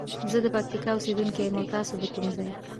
زه د پکتیکا اوسیدونکی یم او تاسو د کوم ځاي؟